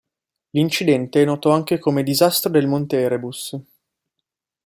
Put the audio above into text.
L'incidente è noto anche come Disastro del Monte Erebus.